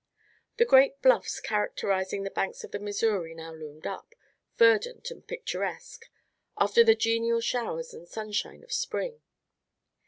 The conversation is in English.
The great bluffs characterizing the banks of the Missouri now loomed up, verdant and picturesque, after the genial showers and sunshine of spring.